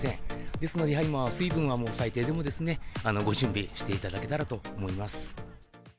ですのでやはり水分はもう、最低でもですね、ご準備していただけたらと思います。